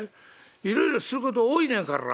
いろいろすること多いねんから」。